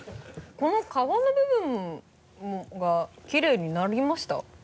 この皮の部分がキレイになりました？